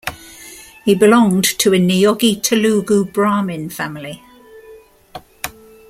He belonged to a Niyogi Telugu Brahmin family.